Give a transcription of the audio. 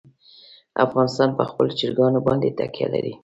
افغانستان په خپلو چرګانو باندې تکیه لري.